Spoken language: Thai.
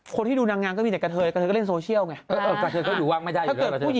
คนที่ดูดั่งงานก็มีแต่กะเทยกะเถอก็ติดไฟสอเชียลเนี่ย